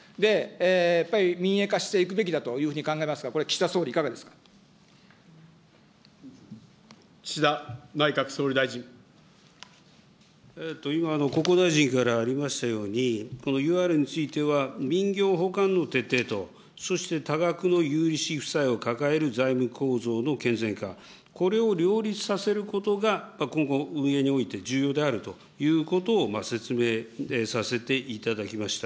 やっぱり民営化していくべきだというふうに考えますが、これ、岸田総理、今の国交大臣からありましたように、このＵＲについては、民業補完の徹底と、そして多額の有利子負債を抱える財務構造の健全化、これを両立させることが今後運営において重要であるということを説明させていただきました。